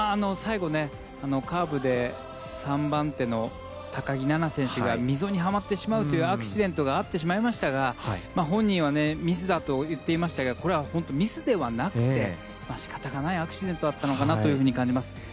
最後、カーブで３番手の高木菜那選手が溝にはまってしまうというアクシデントがあってしまいましたが本人はミスだと言っていましたがこれはミスではなくて仕方がないアクシデントだったのかなと感じます。